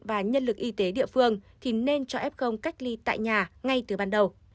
và nhân lực y tế địa phương thì nên cho f cách ly tại nhà ngay từ ban đầu